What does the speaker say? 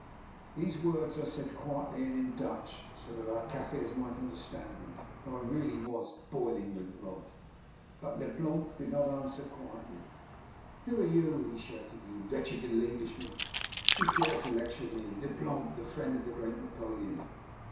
These words I said quite quietly and in Dutch, so that our Kaffirs might understand them, though really I was boiling with wrath. But Leblanc did not answer quietly. "Who are you," he shouted, "you wretched little Englishman, who dare to lecture me, Leblanc, the friend of the great Napoleon?"